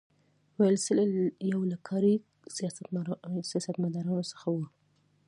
ویلسلي یو له کاري سیاستمدارانو څخه وو.